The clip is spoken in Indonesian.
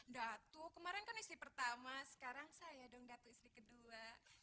datu kemarin kan istri pertama sekarang saya dong datu istri kedua